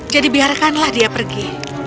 jadi biarkanlah dia pergi